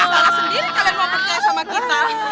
saya sendiri kalian mau percaya sama kita